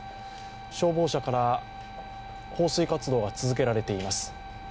消防車から放水活動が続けられています。